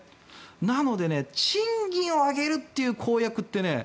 なので賃金を上げるという公約ってね